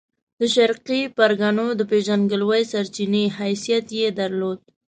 د شرقي پرګنو د پېژندګلوۍ سرچینې حیثیت یې درلود.